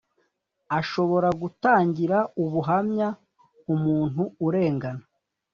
ashobora gutangira ubuhamya umuntu urengana